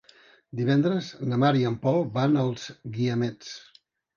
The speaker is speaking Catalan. Divendres na Mar i en Pol van als Guiamets.